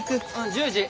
１０時！